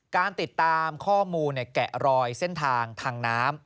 การติดตามข้อมูลแกะรอยเส้นทางทางน้ำ